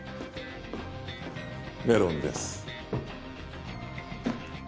メロンです。